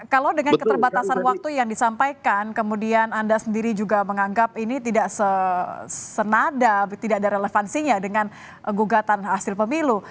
kalau dengan keterbatasan waktu yang disampaikan kemudian anda sendiri juga menganggap ini tidak senada tidak ada relevansinya dengan gugatan hasil pemilu